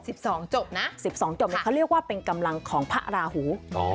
สิบสองจบนะสิบสองจบเนี่ยเขาเรียกว่าเป็นกำลังของพระราหูอ๋อ